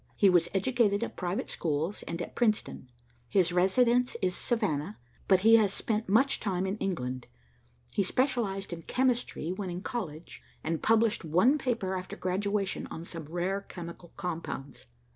He was educated at private schools, and at Princeton. His residence is Savannah, but he has spent much time in England. He specialized in chemistry when in college, and published one paper after graduation on some rare chemical compounds.